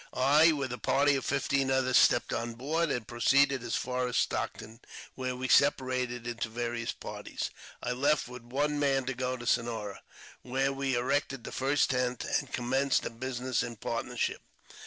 I, with a party of fifteen others, stepped on board, and proceeded as far as Stockton, where we separated into various parties. I left with one man to go to Sonora, where we erected the first tent, and commenced a business in partnership.